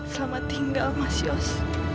selamat tinggal mas yos